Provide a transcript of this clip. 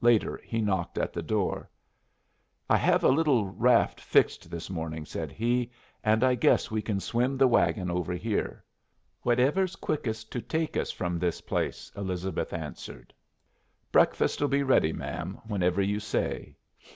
Later he knocked at the door. "I hev a little raft fixed this morning," said he, "and I guess we can swim the wagon over here." "Whatever's quickest to take us from this place," Elizabeth answered. "Breakfast'll be ready, ma'am, whenever you say."